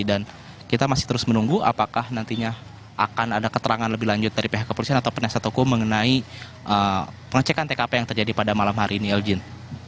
dan kita masih terus menunggu apakah nantinya akan ada keterangan lebih lanjut dari pihak kepolisian atau penyiasat toko mengenai pengecekan tkp yang terjadi pada malam hari ini eljin